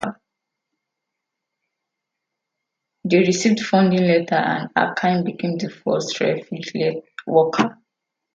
They received funding later and Harkin became the first refuge worker.